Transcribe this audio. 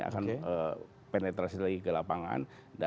akan penetrasi lagi ke lapangan